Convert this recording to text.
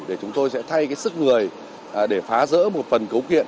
để chúng tôi sẽ thay cái sức người để phá rỡ một phần cấu kiện